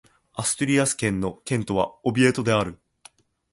アストゥリアス県の県都はオビエドである